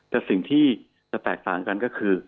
แต่สิ่งที่จะแตกต่างกันก็คือ